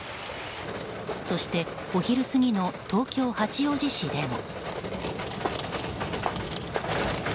そして、お昼過ぎの東京・八王子市でも。